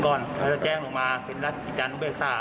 ก็แจ้งลงมาเป็นราชิการุบัยสหรอ